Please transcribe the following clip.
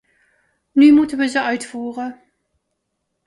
Nu moeten we ze uitvoeren.